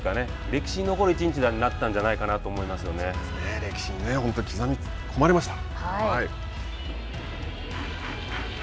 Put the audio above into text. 歴史に残る一日になったんじゃないかなと歴史に本当に刻み込まれました。